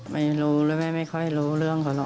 ไม่รู้แล้วแม่ไม่ค่อยรู้เรื่องเขาหรอก